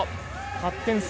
８点差。